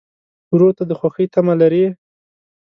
ورور ته د خوښۍ تمه لرې.